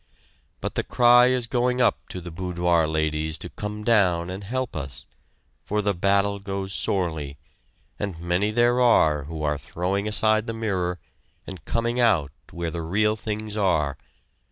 But the cry is going up to the boudoir ladies to come down and help us, for the battle goes sorely; and many there are who are throwing aside the mirror and coming out where the real things are.